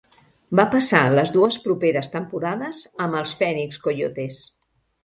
Va passar les dues properes temporades amb els Phoenix Coyotes.